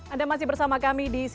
anda masih bersama kami di cnn indonesia